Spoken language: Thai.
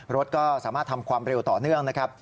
รถก็สามารถทำความเร็วต่อเนื่องนะครับ